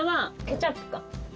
ケチャップ！？